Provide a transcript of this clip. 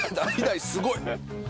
橙すごい。